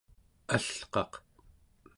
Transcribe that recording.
alqaq